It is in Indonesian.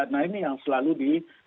nah ini yang sering